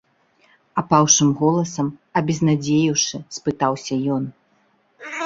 — апаўшым голасам, абезнадзеіўшы, спытаўся ён.